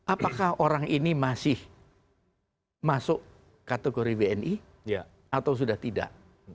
apakah orang ini masih masuk kategori bni atau sudah tidak